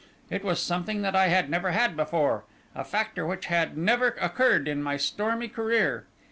It was something that I had never had before, a factor which had never occurred in my stormy career.